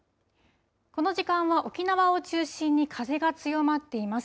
この時間は沖縄を中心に風が強まっています。